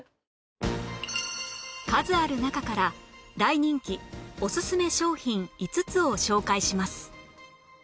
数ある中から大人気おすすめ商品５つを紹介します